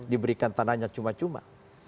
diberikan tanahnya cuma cuma